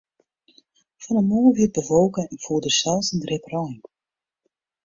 Fan 'e moarn wie it bewolke en foel der sels in drip rein.